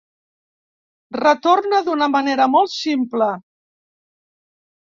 Retorna d'una manera molt simple.